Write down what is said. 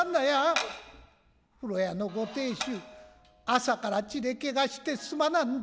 風呂屋の御亭主朝から血で汚してすまなんだ。